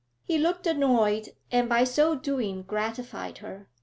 He looked annoyed, and by so doing gratified her.